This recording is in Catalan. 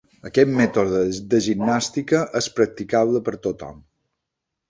Aquest mètode de gimnàstica és practicable per tothom.